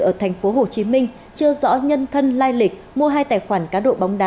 ở thành phố hồ chí minh chưa rõ nhân thân lai lịch mua hai tài khoản cá độ bóng đá